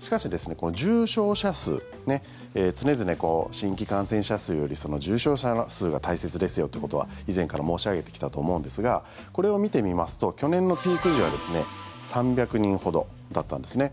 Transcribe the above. しかし、重症者数常々、新規感染者数より重症者数が大切ですよということは以前から申し上げてきたと思うんですがこれを見てみますと去年のピーク時は３００人ほどだったんですね。